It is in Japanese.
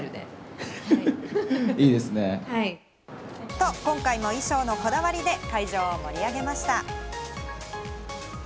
と、今回も衣装のこだわりで会場を盛り上げました。